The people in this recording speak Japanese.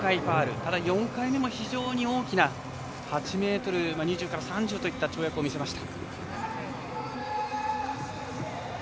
ただ４回目も非常に大きな８ｍ２０から３０といった跳躍を見せました。